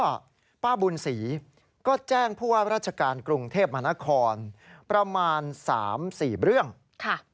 ก็แจ้งคุณพี่บุญศรีก็แจ้งพวกราชการกรุงเทพมนาคมประมาณสามสี่เบื้องค่ะ